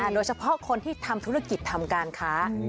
โดยเฉพาะคนที่ทำธุรกิจทำการค้า